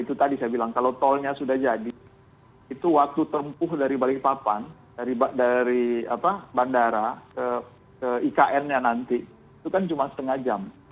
itu tadi saya bilang kalau tolnya sudah jadi itu waktu tempuh dari balikpapan dari bandara ke ikn nya nanti itu kan cuma setengah jam